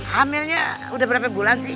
hamilnya udah berapa bulan sih